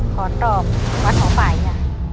ขอตอบวัดหอฝ่ายจ้ะ